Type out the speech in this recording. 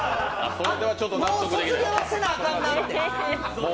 もう卒業せなあかんなって。